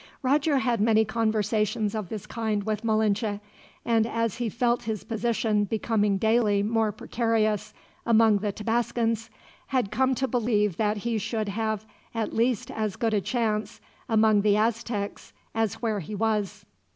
Roger had many conversations of this kind with Malinche, and as he felt his position becoming daily more precarious among the Tabascans, had come to believe that he should have at least as good a chance, among the Aztecs, as where he was.